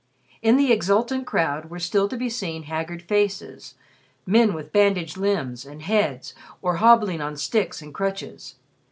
In the exultant crowd were still to be seen haggard faces, men with bandaged limbs and heads or hobbling on sticks and crutches.